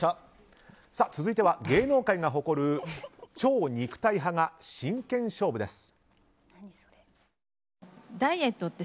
続いては芸能界が誇る超肉体派が真剣勝負です。